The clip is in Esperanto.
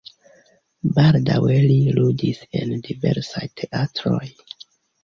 Baldaŭe li ludis en diversaj teatroj.